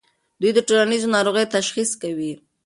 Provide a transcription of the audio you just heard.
دوی د ټولنیزو ناروغیو تشخیص کوي.